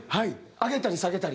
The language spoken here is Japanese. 上げたり下げたり。